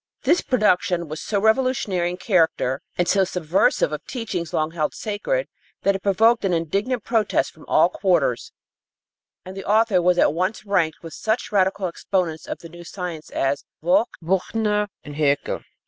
This production was so revolutionary in character and so subversive of teachings long held sacred that it provoked an indignant protest from all quarters, and the author was at once ranked with such radical exponents of the new science as Voght, Büchner and Hæckel.